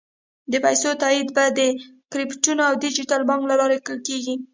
د پیسو تادیه به د کریپټو او ډیجیټل بانک له لارې کېږي.